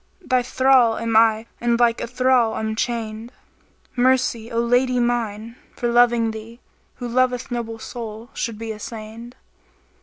* Thy thrall am I and like a thrall I'm chainčd: Mercy, O lady mine, for loving thee! * Who loveth noble soul should be assainčd."